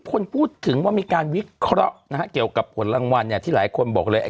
คนพูดถึงว่ามีการวิเคราะห์นะฮะเกี่ยวกับผลรางวัลเนี่ยที่หลายคนบอกเลย